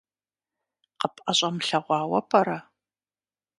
КъыпӀэщӀэмылъэгъуауэ пӀэрэ?